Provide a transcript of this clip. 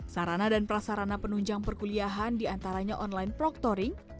sarana dan prasarana penunjang perkuliahan diantaranya online proctoring